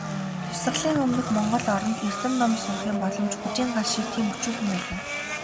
Хувьсгалын өмнөх монгол оронд, эрдэм ном сурахын боломж "хүжийн гал" шиг тийм өчүүхэн байлаа.